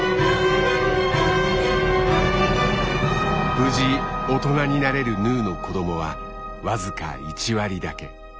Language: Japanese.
無事大人になれるヌーの子どもは僅か１割だけ。